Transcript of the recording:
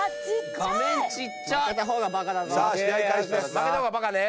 負けた方がバカね。